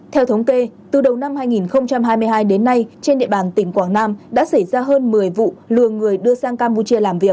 theo thống kê từ đầu năm hai nghìn hai mươi hai đến nay trên địa bàn tỉnh quảng nam đã xảy ra hơn một mươi vụ lừa người đưa sang campuchia làm việc